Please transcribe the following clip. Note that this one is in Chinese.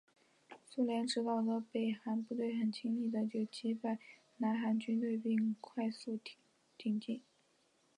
苏联指导的北韩部队很轻易的就击败南韩军队并快速挺进。